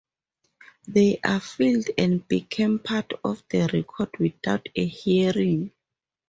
They are filed and become part of the record without a hearing.